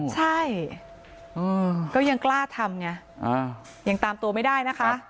ใช่ก็ยังกล้าทำไงยังตามตัวไม่ได้นะคะ